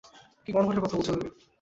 কি গণভোটের কথা বলছ তুমি?